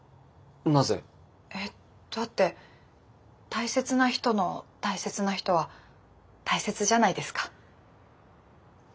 なぜ？えだって大切な人の大切な人は大切じゃないですか。